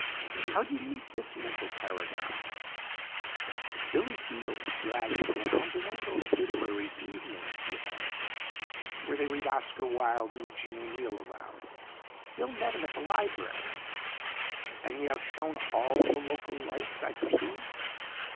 "How'd you meet this mental paragon?" "Billy Fields dragged him around to one of those literary evenings he affects where they read Oscar Wilde and Eugene O'Neil aloud. Bill met him at the library." "And he out shone all the local lights, I perceive."